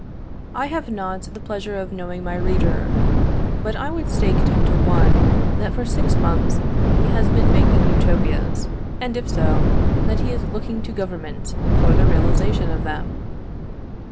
I have not the pleasure of knowing my reader, but I would stake ten to one, that for six months he has been making Utopias, and if so, that he is looking to Government for the realization of them.